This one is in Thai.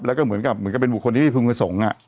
แล้วก็เหมือนกับมันก็เป็นบุคคลที่มีภูมิสงฆ์